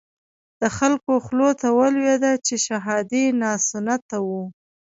د خلکو خولو ته ولويده چې شهادي ناسنته وو.